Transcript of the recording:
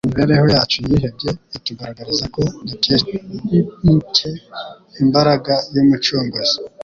imibereho yacu yihebye itugaragariza ko dukencye imbaraga y'Umucunguzi.